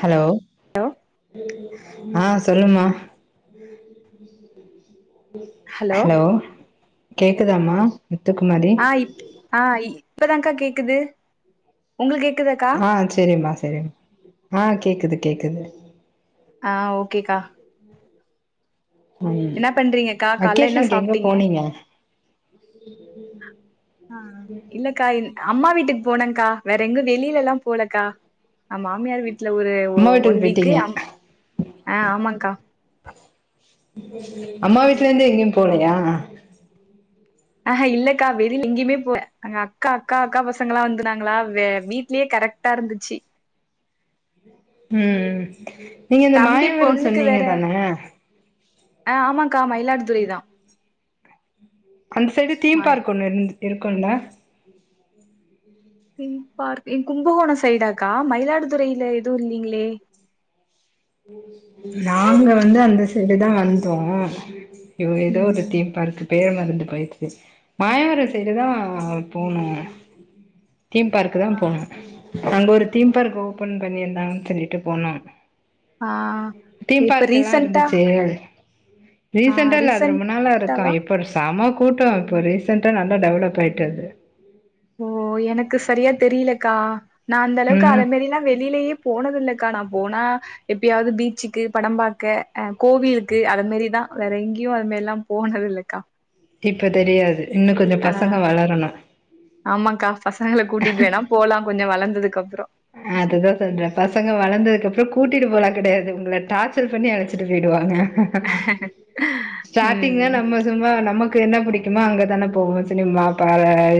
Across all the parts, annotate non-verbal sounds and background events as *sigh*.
Hello ஆ சொல்லுமா hello கேக்குதாமா முத்துக்குமாரி ஆ இப் ஆ இ இப்பதான்க்கா கேக்குது உங்களுக்கு கேக்குதாக்கா ஆ செரிமா செரிமா ஆ கேக்குது கேக்குது ஆ ஓகேக்கா ம் என்ன பண்றீங்கக்கா கால்ல என்ன வெக்கேஷனுக்கு எங்க சாப்பிட்டீங்க போனீங்க ஆ இல்லக்கா அம்மா வீட்டுக்கு போனங்க்கா வேற எங்கு வெளியில எல்லா போலக்கா நா மாமியார் வீட்டு ல ஒரு அம்மா வீட்டுக்கு ஒன் வீக்கு போயிட்டீங்க அம் ஆ ஆமாங்க்கா அம்மா வீட்ல இருந்து எங்கயு போலயா ஆஹ இல்லக்கா வெளியில எங்கேயுமே போல அக்கா அக்கா அக்கா பசங்களா வந்தாங்களா வே வீட்லயே கரெக்டா இருந்துச்சி ம் நீங்க இந்த தம்பி மாயவரம் பொண்ணுக்கு சொன்னீங்க வேற தானே ஆ ஆமாக்கா மயிலாடுதுறை தா அந்த சைடு தீம் ம பார்க் ஒண்ணு இருந்து இருக்குல்ல தீம் பார்க் கும்பகோணம் சைடாக்கா மயிலாடுதுறைல எதுவு இல்லிங்களே நாங்க வந்து அந்த சைடு தா வந்தோம் எ ஏதோ ஒரு ம் தீம் பார்க்கு பேரு மறந்து போயிடிச்சு மாயவரம் சைடு தா போனோ தீம் பார்க்கு தா ஆ போனோம் அங்க ஒரு தீம் பார்க் ஓபன் பண்ணியிருந்தாங்கனு சொல்லிட்டு போனோம் ஆஹ் இப்ப ரீசண்டா ரீசண்டா இல்ல அது ரொம்ப நாளா இருக்கா இப்ப ஒரு செம கூட்டம் இப்போ ரீசெண்டா நல்லா டெவலப் ஆயிட்டு அது ஓ எனக்கு சரியா தெரிலக்கா நா அந்தளவுக்கு அத ம் மாரியெல்லா வெளியிலேயே போனதுல்ல க்கா ந போனா எப்பயாவது பீச்சுக்கு படம் பாக்க அ கோவிலுக்கு அது மாரி தா வேற எங்கேயு அதுமாரில்லா போனது இல்லக்கா இப்ப தெரியாது இன்னு கொஞ்சோ பசங்க ஆஹ் வளரணு ஆமாக்கா பசங்கள கூட்டிட்டு வேணா போலா கொஞ்ச வள துக்கு அப் அதுதா சொல்றே பசங்க வளந்ததுக்கு அப்புறோ கூட்டிட்டு போலான் கிடையாது உங்கள டார்ச்சர் பண்ணி அழச்சிட்டு போயிடுவாங்க ஸ்டார்டிங்ல ம் நம்ம சும்மா நம்ம கு என்ன பிடிக்குமா அங்கதானே போவோ சினிமா ப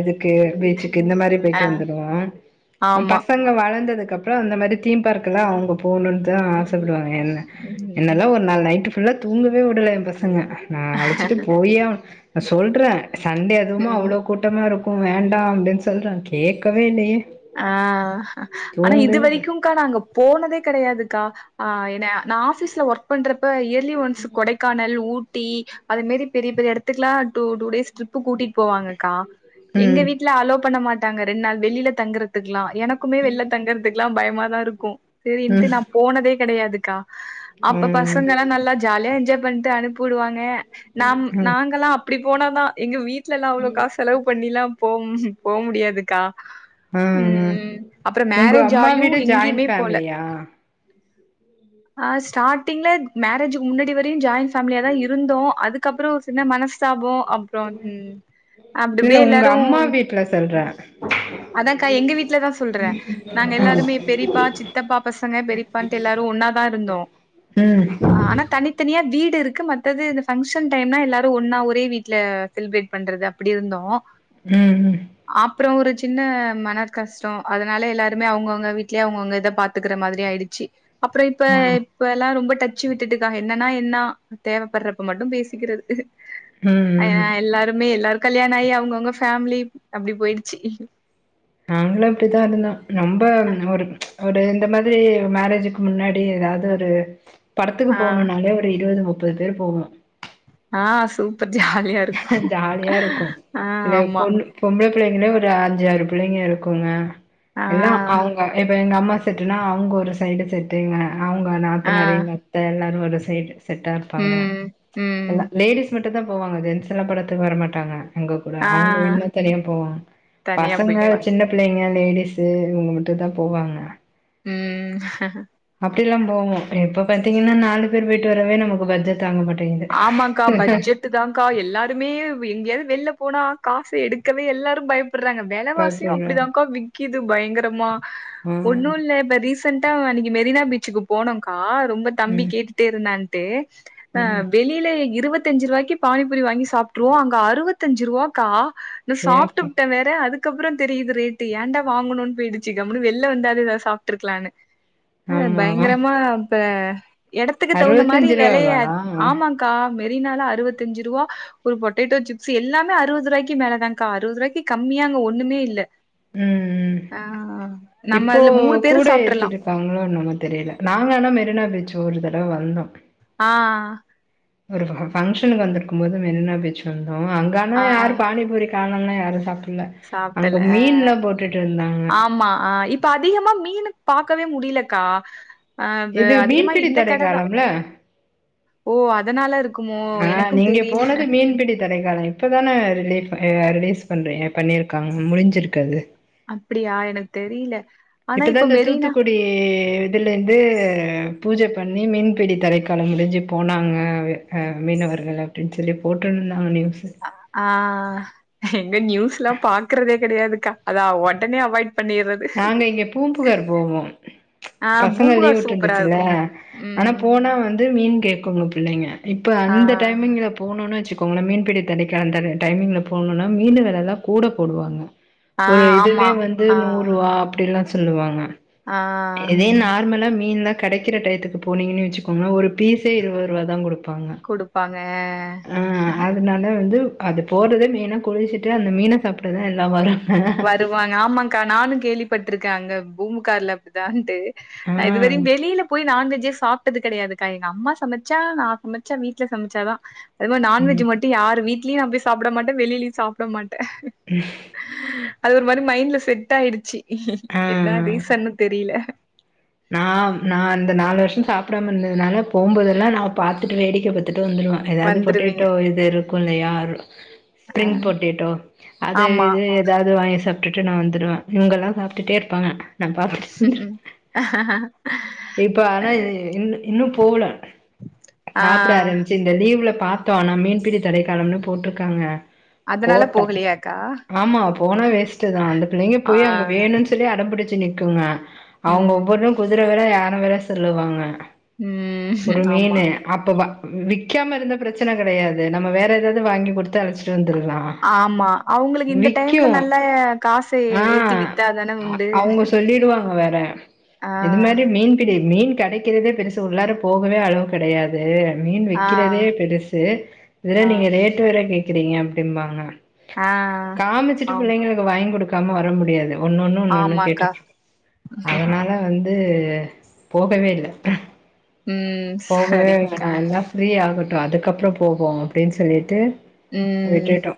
இது க்கு பீச்சுக்கு இந்த மாரி ஆ போய்ட்டு வந்துடுவோ ஆமா பச வளந்ததுகப்றோ அந்த மாரி தீம் பார்க்லா அவுங்க போவுணுன் தா ஆச சொல்லுவாங்க என்ன ம் என்னல்லா ஒரு நாள் நைட்டு நல்லா தூங்கவே விடல எம் பச சங்க நா அழச்சிட்டு போயே ஆவ் நா சொல்ட்றே சண்டே அதுவுமா ம் அவ்ளோ கூட்டமா இருக் ம் வேண்டா அப்டின் சொல்ட்றே கேக்கவே இல்லயே ஆஹ் ஆனா இது இல்ல வரைக்குங்க்கா நாங்க போனதே கெடயாது க்கா ஆஹ் என்ன நாஸிஸ் ல ஒர்க் பண்றப் ப்ப yearly once Kodaikanal Ooty அது மேரி பெரிய பெரிய எடத்துக்ல்லா டூ டேஸ் ட்ரிப்பு கூடிட் போவாங்க கா எங்க ம் வீட்ல அலோ பண்ண மாட் ங்க ரெண் நாள் வெளில தங்றதுக்குலா எனக்குமே வெள்ல தங்றதுக்குலா பயமாதா இருக் கு செரின்ட்டு ம் நா போனதே கெடயாதுக்கா அப்ப ம் பசங்கல்லா நல்லா ஜாலியா என்ஜாய் வந்ட்டு அனுப்புடுவாங்க நாம் ம் ம் நாங்கல்லா அப்டி போனாதா எங்க வீட் வீட்ல எல்லா அவ்ளோ காசு செலவு பண்ணிலா போம் போ முடியாதுக்கா ம் ம் அப்பறோ உங்க மேரேஜ் அம்மா ஆயு வீடு ஜாயிண்ட் எங்கியுமே போல ஃபேமிலியா ஆஹ் ஸ்டாட்டிங்ல மேரேஜ்கு முன்னாடி வரையு ஜாயின்ட் ஃபேமிலியா தா இருந்தோ அதுகப்றோ சின்ன மனஸ்தாபோ இல்ல உங்க எல்லாரும் அம்மா வீட்ல சொல்றே அதாங்கா எங்க வீட்ல தா சொல்றே நாங்க ஆமா எல்லாருமே பெரிப்பா சித்தப்பா பசங்க பெரியபான்ட்டு எல்லாரு ஒன்னாதா இருந்தோ ம் ஆனா தனி தனியா வீடு இருக்கு மத்தது இந்த ஃபங்க்ஷன் டைம்னா எல்லாரு ஒன்னா ஒரே வீட்ல செலிப்ரேட் பண்றது அப்டி இருந்தோ ம் ம் அப்றோ ஒரு சி ன்ன மனக் கஷ்டோ அதனால எல்லாருமே அவுங்கவுங்க வீட்லே அவுங்கவுங்க இத பாத்துக்குற மாதிரி ஆயிடுச்சு அப்றோ இப்ப ஆ இப்பல்லா ரொம்ப டச்சு விட்டுட்டுக்கா என்னன்னா என்னா தேவப்படுறப்ப மட்டு பேசிக்குறது ம் ஆ ம் எல்லாருமே எல்லாரு கல்யாணாயி அவுங்கவுங்க ஃபேமிலி அப்டி போயிடுச்சி நாங்களு இப்டிதா இருந்தோ ரொம்ப ஒரு ஒரு இந்த மாதிரி மேரேஜுக்கு முன்னாடி எதாது ஒரு படத்துக்கு ஆ போணுனாலே ஒரு இருவது முப் ப்பது பேர் போவோ ஆ சூப் ஜாலியா இருக்கு ஆ இல்ல ஆமா பொண்ணு பொம்ப்ளே புள்ளைங்கே ஒரு அஞ்சாறு புள்ளைங்க இருக்குங்க ஆ எல்லா அவுங்க இப்ப எங்கம்மா செட்டுனா அவுங்க ஒரு சைடு செட்டுங்க அவுங்க ஆ நாத்துனாரு எங்கத்த எல்லாரு ஒர் ரு சைடு செட்டா இர்ப்பாங்க ம் ம் எல்ல லேடிஸ் மட் டு தா போவாங்க ஜென் ஸுலா படத்துக் வரமாட்டாங்க எங்க கூட ஆ அவுங்க வேன்னா தனியா போவாங்க தனியா பசங்க போயிருப்பாங்க சின்ன பிள்ளைங்க லேடிஸு இங்க முட்டு தா போவாங்க ம் அப்படிலா போவோ இப்ப பாத்தீங்கன்னா நாலு பேரு போய்ட்டு வரவே நமக்கு பட்ஜட் ஆமாக்கா பட்ஜெட்டு தாங்கா எல்லாருமே வெ எங்கியா வெள்ல போனா காசு எடுக்கவே எல்லாரு பயப் பட்றாங்க வேலவாசியு பயப்பட்றா அப்பிடிதாங்க்கா விக்குது பயங்கரமா ஆ ஒன்னுல்ல இப்ப ரீசன் டா அன்னிக்கு மெரினா பீச்சுக்கு போனோங்கா ரொம்ப தம்பி ம் கேட்டுட்டே இருந்தான் டு ம் ளில இருவத்தஞ்சுருவாய்க்கு பானிபுரி வாங்கி சாப்ட்ருவோ அங்க அறுவத்தஞ்சு ருவாக்கா நா ஏப்பா சாப்ட்டுட்டே வேற அதுக் ப்றோ தெரியுது ரேட்டு ஏன்டா வாங்குணோனு போயிடுச்சு கம்னு வெளில வந்தாது ஏதது சாப்பிட்ருக்கலான்னு அஹ் ஆமா பயங்கரமா ப்பே எடத்துக்கு தகுந்த மாரி அறுவத்தஞ்சு வெலயே ரூவாவா ஆமாங்க்கா மெ ரினால அறுபத்தஞ்ச்ரூவா ஒரு பொட்டேட்டோ சிப்ஸ் எல்லாமே அறுவது ரூவாய்க்கு மேலதான்கா அறுவதுரூவாக்கி கம்மியா அங்க ஒண்ணுமே இல்ல உம் ம்ம் ஆ நம்ம இப்போ அதுல மூணு பேரு கூட சாப்ட்றலா ஏத்திருக்காங்களோ என்னவோ தெரில நாங்கானா மெரினா பீச் ஒருதடவ வந்தோ ஆஹ் ஒரு ஃபங்க்ஷனுக்கு வந்திருக்க்கும்போது மெரினா பீச் வந் தோ அங்கான ஆ யாரு பானிபூரி காரம்னா யாரு சாப்ட் ல அங்க சாப்டல மீன்ல்லா போட்டுட்ருந்தாங்க ஆமா ஆ இப்ப அதிகமா மீனு பாக்கவே முடியலக்கா அஹ் அது இது அதிகமா மீன்பிடி இந்த தடை கடதா காலம்ல ஓ அ அதனால இருக் ஆஹ் நீங்க போனது மீன்பிடி தடைகாலோ இப்பதானே ரிலீப் ரிலீஸ் பண்ற பண்ணியிருக்காங்க முடிஞ்சிருக்காது அப்டியா எனக்கு தெரில ஆனா இப்பதா இப்ப இந்த மெரினா தூத்துக்குடி இதுல இருந்து து பூஜ பண்ணி மீன்பிடி தடைக்காலம் முடிஞ்சு போனாங்க ஆஹ் மீனவர்கள் அப்டின்னு சொல்லி போட்டுந்தாங்களே ஆஹ் ஆஹ் எங்க நியூஸ்ல்லா பாக்கறதே கிடையாதுக்கா அதா உடனே அவாய்ட் பண்ணிர்றது நாங்க இங்க பூம்புகார் போவோ ஆ பசங்க லீவ் பூம்புகார் சூப்பரா விட்டுருந்துச்சுல இருக்கு ஆனா ம் போனா வந்து மீன் கேக்குங்க புள்ளைங்க இப்ப ஆ அந்த டைமிங்க்ல போனுன்ன வெச்சுக்கோங்களே மீன்பிடி தடைக் அந்த டைமிங்ல போனும்னா மீன் வெலைல்லா கூட போடுவாங்க ஆ ஒரு ஆமா இதுவே வந்து ஆ நூரூவா அப்டில்லா சொல்லுவாங்க ஆ இதே நார்மலா மீன்ல கிடைக்கிற டைத்துக்கு போனீங்கன்னு வெச்சுக்கோங்களே ஒரு பீஸே இருவதுரூவாதா கொடுக் ப்பாங்க குடுப்பாங்க ஆஹ் அதனால வந்து அது போறது மெய்னா குளிச்சிட்டு அந்த மீன சாப்டதா எல்லா வரங் வருவாங்க ஆமாக்கா நானு கேள்விப்பட்டிருக்காங்க பூமூகார்ல அப்படிதான்ட்டு ஆ இதுவரையு வெளியில போய் நான்வெஜ்ஜே சாப் சாப்டது கெடையாதுக்கா எங்க அம்மா சமைச்சா நா சமைச்சா வீட்டு்ல சமைச்சாதா அது மாதி நான்வெஜ் ம் மட்டு யார் வீட் லயு நா போய் சாப்ட மாட்டே வெளிலியு சாப்ட மாட் உம் அது ஒரு மாரி மைண்ட்ல செட் ஆயிடுச்சு ஆ என்ன ஆ ரீசன்னு தெரியல நா நா அந்த நாலு வருஷம் சாப்டாம இருந்ததுனால போம்போதெல்லா நா பாத்துட்டு வேடிக்க பாத்துட்டு ட்டு வந்துருவ ஏதாவது வந்துருவீங்க பொட்டேட்டோ இது இருக்கு இல்லயா ஆ பிரிங் பொட்டேட்டோ அது ஆமா இது ஏதாவது வாங்கி சாப் சாப்ட்டுட்டு நா வந்துருவே இங்க எல்லா சாப்ட்டுட்டே இருப்பாங்க நா பாத்துட்டு *unintelligible* இப்ப ஆனா இன்னு இன்னு போல ஆ சாப்பிட ஆரம்பிச்சு இந்த டீவில பாத்தோ மீன் பிடி தடைக்கலம்னு போட்டிருக்காங்க அதனால போட்ட போகலையாக்கா ஆமா போனா வேஸ்ட் தா அந்த பிள்ளைங்க ஆ போய் அங்க வேணுன் சொல்லி அட பிடி ச்சு நிக்குங்க ம் அவுங்க குதிர வெல யான வெல சொல்லுவாங்க ஒரு ம் ஆமா மீனு அப்பவ விக்காம இருந்த பிரச்சன கெடையாது நம்ம வேற ஏதாவது வாங்கி குடுத்து அழச்சிட்டு வந்து ஆமா அவுங்களுக்கு இந்த டைம்ல விக்கு நல்லா காச ஆ ஏத்தி வித்தா தான உண்டு அ ஆ இது மாரி மீன்பிடி மீன் கெடைக்கிறதே பெருசு உள்ளார போகவே அளவு கெடையாது மீன் ஆ வக்கிறதே பெருசு இதுல ஆ நீங்க ரேட்டு வேர கேக் றீங்க அப்படிம்பாங்க ஆ காமிச்சிட்டு ஆமா பிள்ளைங்களுக்கு வாங்கி கொடுக்க ங்கமா வர முடியாது ஒன்னொன்னு ஒன்னொன்னு கேட்டு ஆமாக்கா அதனால வந்து போகவே இல்ல ம் போகவே சரிங்கக்கா வேணா எல்லா ஃப்ரீ ஆகட்டு அதுக்கப்புறோ போவோ அப்படின் சொல்லிட்டு ம் விட்டுட்டோ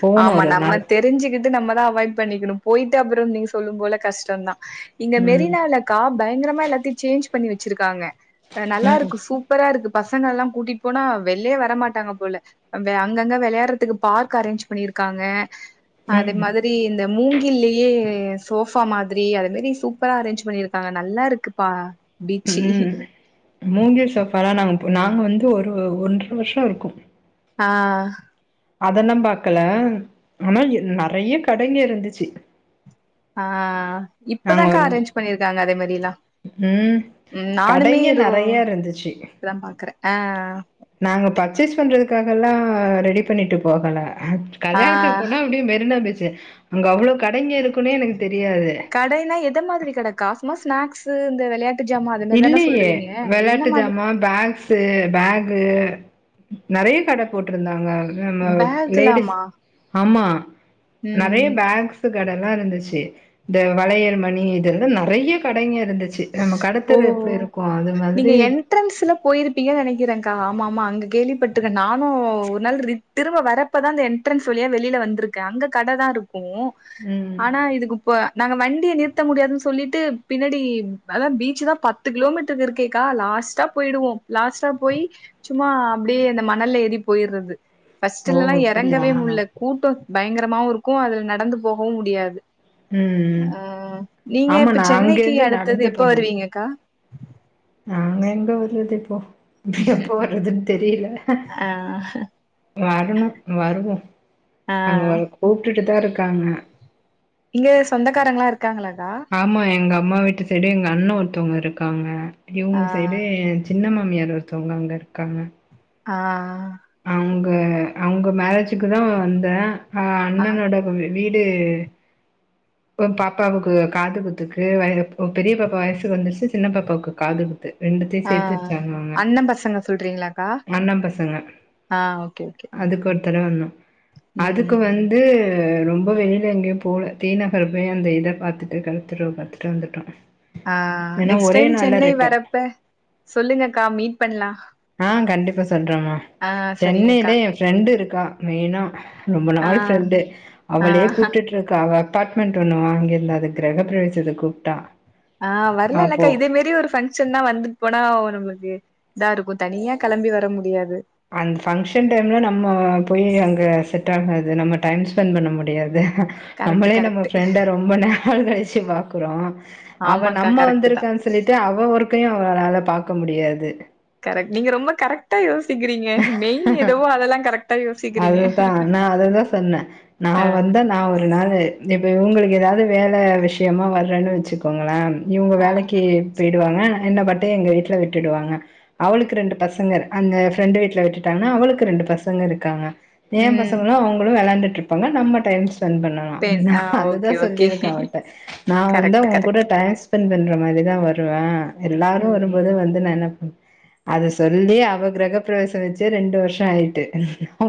போணு ஆமா ஒரு நம்ம நாள் தெரிஞ்சுக்கிட்டு நம்மதா அவாய்ட் பண்ணிக்கணு போயிட்டு அப்புற நீங்க சொல்லு போல கஷ்டந்தா இங்க ம் மெரினாலக்கா பயங்கரமா எல்லாத்தையு சேஞ்ச் பண்ணி வச்சிருக்காங்க நல்லா இருக்கு சூப்பரா இருக்கு பசங்க எல்லா கூட்டிட்டு போனா வெளியே வர மாட்டாங்க போல அங்கங்க வெளையாறதுக்கு பார்க் அரேஞ்ச் பண்ணியிருக்காங்க ம் அதே ம் மாதிரி இந்த மூங்கில்லயே சோபா மாதிரி அது மாரி சூப்பரா அரேஞ்ச் பண்ணிருக்காங்க நல்லா இருக்குப்பா பீச்சு. ம் மூங்கில் சோபாலா நமக்கு நாங்க வந்து ஒரு ஒன்றரை வருஷம் இருக்கும் ஆஹ் அதெல்லாம் பாக்கல ஆனா நிறைய கடைங்க இருந்துச்சு ஆஹ் நாங்க இப்பதானக்கா ஒரு அரேஞ்ச் பண்ணிருக்காங்க அதே மாதிரி எல்லாம் ம் உம் நானுமே கடைங்க ஒரு நெறைய இருந்துச்சு இப்பதான் பாக்குறேன் ஆஹ் காகல்லாம் ரெடி பண்ணிட்டு போகல ஆ கல்யணத்துக்கு போனா அப்படியே மெரினா பீச் அங்க அவ்வளவு கடைங்க இருக் குனே எனக்கு தெரியாது ந்த மாதிரி கட காசுமா ஸ்நாக்ஸ் இந்த விளையா இல்லையே விளையாட்டு மாதிரி ஜாம பேக்ஸு பேகு நிறைய கடை போட்டிருந்தாங்க நம்ம லேடிஸ் பேக்லாமா? ஆமா நிறைய ம் பேக்ஸு கடைல்லாம் இருந்துச்சு இந்த வளையல் மணி இதுல்லாம் நிறைய கடைங்க இருந்துச்சு நம்ம கடத் ஓ நீங்க என்ட்ரன்ஸ்ல போயிருப்பீங்கு நினைக்கிறே ங்கா ஆமா ஆமா அங்க கேள்விப்பட்டுக்கன் நானும் ஒரு நாள் திரும்ப வரப்பதான் அட்ரன்ஸ் வழியா வெளியில வந்திருக்கேன் அங்க கட தான் இருக் கும் ம் ஆனா இதுக்கு இப்ப நாங்க வண் குடிய நிறுத்த முடியாதுன்னு சொல்லிட்டு பின்னாடி அதான் பீச்சு தான் பத்து கிலோமீட்டருக்கு இருக்கேக்கா லாஸ்ட்டா போயிடுவோம் லாஸ்ட்டா போய் சும்மா அப்படியே இந்த மணல்லல ஏறி போயிறது ஓ பர்ஸ்ட்லல்லாம் அப்டியா இறங்கவே ம் முடியல கூட்டம் பயங்கரமாவும் இருக்கும் அதுல நடந்து போகவும் முடியாது ம் அஹ் நீங்க ஆமா இப்ப நா சென்னைக்குத்து அங்கேருந்து அடுத் டுத்தது நடந்து எப்ப போறது வருவீங்கக்கா நாங்க எங்க வர்ரது இப்போ நா எப்போ வறதுன்னு தெரில. ஆ வர்ணு வருவோ. ஆ அங்க கூப்ட்டுட்டுதா இருக் காங்க. இங்க சொந்தக்காரங்களா இருக் காங்களாக்கா? ஆமா எங்க அம்மா வீட்டு செய்டு எங்க அண்ண ஒருத்தவுங்க இருக்காங்க. ஆ இவுங்க சைடு சின்னா மாமியாரு ஒருத்தவங்க அங்க இருக்காங்க. ஆஹ் ஆஹ் வ அவங்க மேரேஜ் க்கு தா வந்த ஹ ஆ அண்ணனோடது வீடு இப்ப பாப்பாவுக்கு காது குத்துக்கு பெரிய பாப்பா வயசுக்கு வந்துச்சு சின்ன பாப்பாவுக்கு காது குத்து ரெண்டுத்தையு ஆ சேத்து வச்சாங்க அவுங்க அண்ண பசங்க சொல்றீங்களாக்கா அண்ண பசங்க ஆ ஓகே ஓகே அதுக்கு ஒருத்தடவ வணு ம் அதுக்கு வந்து ரொம்ப வெளில எங்கயு போல தீநகர் போய் அந்த இத பாத்துட்டு கெழக்குதெருவ பாத்துட்டு வந்துட்டோ ஆஹ் ஏன்னா நெக்ஸ்ட் ஒரே டைம் நாள்ல சென்னை ரிட்டன் வரப்ப சொல்லுங்கக்கா மீட் பண்லா ஆஹ் கண்டிப்பா சொ சொல்றேமா ஆ சென்னைல சரிங்கக்கா ஏ ஃப்ரெண்டு இருக்கா மெய்னா ரொம்ப ஆ நாள் ஃப்ரெண்டு ஆ அவளே கூப்டுட்ருக்கா அவ அபார்ட்மெண்ட் ஒன்னு வாங்கீருந்த அது கிரக பிரவேசத்துக் கூப்ட்டா ஆஹ் வர்லால்லக்கா அப்போ இதே மேரி ஒரு ஃபங்க்ஷன்னா வந்துட்டு போனா ஒ நம்ளுக்கு இதாருக்கு தனியா கெளம்பி வர முடியாது அந் ஃபங்க்ஷன் டைம்ல நம்ம போய் அங்க செட் ஆகாது நம்ம டைம் ஸ்பெண்ட் பண்ண முடியாது கரெக்ட் நம்மளே நம்ம கரெக்ட் ஃப்ரெண்ட ரொம்ப நாள் கழிச் சே வாக்குரோ அவ ஆமாக்கா நம்ம கரெக்ட் தா வந்திருக்கா சொல்லிட்டு அவ ஒர்க்கையு அவளால பாக் க்க முடியாது கரெக்ட் நீங்க ரொம்ப கரெக்டா யோச் த்துகிறீங்க மெயின் எதவோ அதெல்லா கரெக்ட் அதுதா நா அதுதா சொன்ன நா ஆ வந்த நா ஒரு நாளு ப் இப்ப இவுங்களுக்கு எதாது வேலை விஷ்யமா வர்றேன்னு வச்சுக்கோங்களே இவுங்க ஆ வேலைக்கு போய்டுவாங்க என்ன பாட்டய எங்க வீட்ல விட்டுடுவாங்க அவளுக்கு ரெண்டு பசங்க அந்த ஃப்ரெண்டு வீட்ல விட்டுட்டாங்கனா அவளுக்கு ரெண்டு பசங்க இருக் காங்க ஏ ம் பசங்களு அவங்களு வெளாண்டுட் ருப்பாங்க நம்ம டைம்ஸ் ஸ்பென்ட் பண்ணலா பெண் நா ஆ அதுதா ஓகே ஓகே சொல்லிருக்க அவட்ட நா வந்து கரெக்ட் அவங்க கூட கரெக்ட் டைம் ஸ் ஸ்பென் பண்ற மாரி தா வருவ எல்லாரு ம் வரும்போது வந்து நா என்ன அத சொல்லி அவ கிரகப்பிரவேச வெச்சே ரெண்டு வருசொ ஆயிட்டு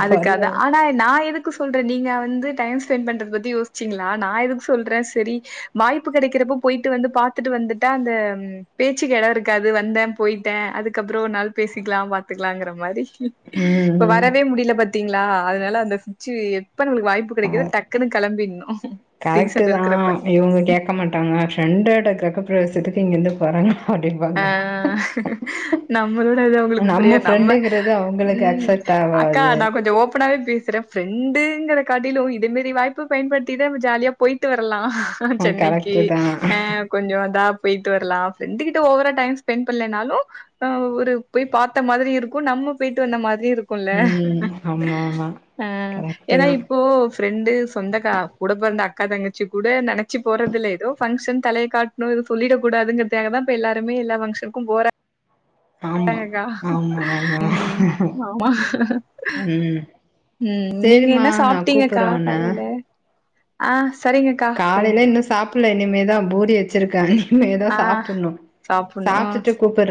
அதுக்கது வருவா ஆனா நா எதுக்கு சொல்ற நீங்க வந்து டைம்ஸ் பெண்ட் பண்றது பத்தி யோசிச்சீங்ளா நா எதுக்கு சொல்ற செரி வாய்ப்பு கெடைக்கிறப்ப போயிட்டு வந்து பாத்துட்டு வந்துட்டா அந்த பேச்சுக்கு எடொ இருக்காது வந்தே போயிட்ட அதுக்கப்ரொ ஒரு நாள் பேசிக்லா பாத்துக்லாங்கிற மாரி ம், இப்ப வர ம். வே முடியல பாத்தீங்ளா அதனால அந்த *unintelligible* வாய்ப்பு கெடைக்குதோ டக்குன்னு கெளம்பிட்ணு கரெக்ட் ரீசன் தா இருக்கிறப்ப இவுங்க கேக்க மாட்டாங்க ப்ரென்ட் ஓட கிரகப்பிரவேசத்துக்கு இங்கிருந்து போறங்க அ நம்மளோட அது அவுங்களுக்கு புரியாது நம்ம ஃப்ரெண்டுங்கிறது அவங்களுக்கு ம் அக்செப்ட் அக்கா ஆவாது. நா கொஞ்சோ ஓப்பனாவே பேசுற ஃப்ரெண்டு ங்கற காட்டிலு இது மேரி வாய்ப்பு பயன்படுத்தி தா நம்ம ஜாலியா போயிட்டு வரலா ஆ சென்னைக்கு கரெக்ட்டு தான். ஆ கொஞ்சோ தா போய்ட்டு வர்லா ஃப்ரெண்டு கிட் ட ஓவரா டைம் ஸ்பெண்ட் பண்லனாலு ஒரு போய் பாத்த மாரி இருக்கு நம்ம போயிட்டு வந்த மா ரி இருக்குல்ல ம் ஆமாமா. கரெக்ட்டு ஏனா தான். இப்போ ஃப்ரெண்டு சொந்தக்கா கூட பொறந்த அக்கா தங்கச்சி கூட நெனச்சி போறதில்ல எதோ ஃபங்க்ஷன் தலைய காட்ணு எது சொல்லிட கூடாதுங்கிறதுக்காக தா ப எல்லாருமே எல்லா ஃபங்ஷனுக்கு போற ஆமா. ங்கக்கா ஆமா, ஆமா. ம் ஆமா ம். ம் நீங்க சரிம்மா என்ன நான் சாப்பிட்டீங்கக்கா கூப்புட்றேன் காலைல ஆ சரிங்கக்கா காலைல சரிங்கக்கா. இன்னு சாப்புல்ல இனி தா பூரி வெச்சிருக்க இன்மேதா ஆ சாப்புன்னு சாப்புட்ணும். ஆ. சாப்டுட்டு கூப்புற